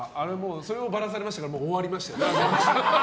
それをバラされましたからもう終わりましたね。